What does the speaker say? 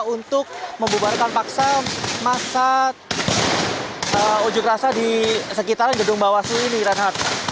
untuk membubarkan paksa masa ujuk rasa di sekitar gedung bawah sini di renhardt